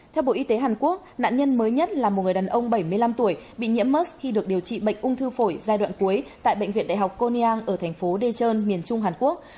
theo bộ y tế hàn quốc nạn nhân mới nhất là một người đàn ông bảy mươi năm tuổi bị nhiễm mớt khi được điều trị bệnh ung thư phổi giai đoạn cuối tại bệnh viện đại học konyang ở thành phố dechon miền trung hàn quốc